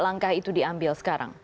langkah itu diambil sekarang